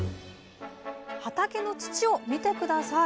畑の土を見て下さい！